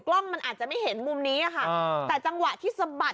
กล้องมันอาจจะไม่เห็นมุมนี้อะค่ะแต่จังหวะที่สะบัด